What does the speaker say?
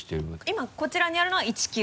今こちらにあるのは１ｋｇ。